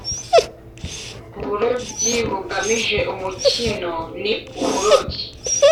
Uburobyi bugamije umukino ni uburobyi